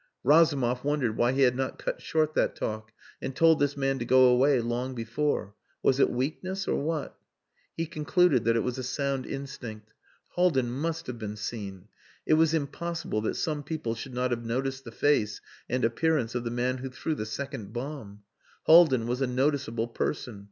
'" Razumov wondered why he had not cut short that talk and told this man to go away long before. Was it weakness or what? He concluded that it was a sound instinct. Haldin must have been seen. It was impossible that some people should not have noticed the face and appearance of the man who threw the second bomb. Haldin was a noticeable person.